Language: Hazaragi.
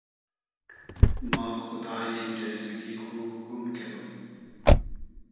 ما خودایی ریزئگی خو گوم کیدۉم